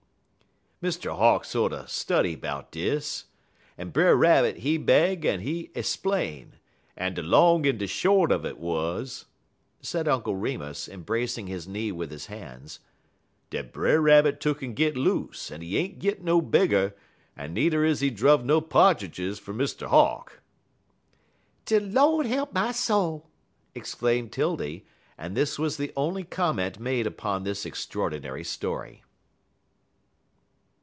"Mr. Hawk sorter study 'bout dis, en Brer Rabbit, he beg en he 'splain, en de long en de short un it wuz," said Uncle Remus, embracing his knee with his hands, "dat Brer Rabbit tuck'n git loose, en he ain't git no bigger, en needer is he druv no Pa'tridges fer Mr. Hawk." "De Lord he'p my soul!" exclaimed 'Tildy, and this was the only comment made upon this extraordinary story.